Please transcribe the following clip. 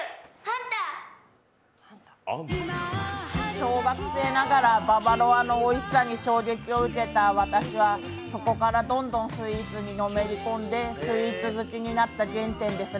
小学生ながらババロアのおいしさに衝撃を受けた私はそこからどんどんスイーツにのめり込んで、スイーツ好きになった原点ですね。